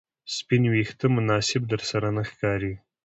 سپین ویښته مناسب درسره نه ښکاري